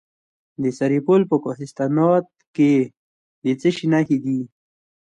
د سرپل په کوهستانات کې د څه شي نښې دي؟